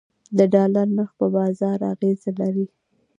د ډالر نرخ په بازار اغیز لري